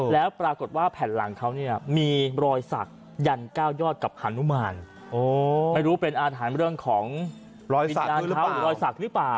แล้วปรากฏว่าแผ่นหลังเขาเนี่ยมีรอยสักยันเก้ายอดกับฮานุมานไม่รู้เป็นอาถรรพ์เรื่องของรอยวิญญาณเขาหรือรอยสักหรือเปล่า